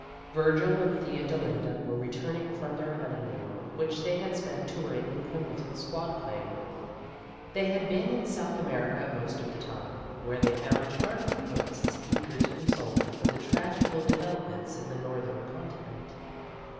Virgil and Theodolinda were returning from their honeymoon, which they had spent touring in Quimbleton's Spad plane. They had been in South America most of the time, where they found charming hosts eager to console them for the tragical developments in the northern continent.